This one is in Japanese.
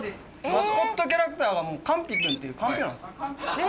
マスコットキャラクターがカンピくんっていうかんぴょうなんですよ。え。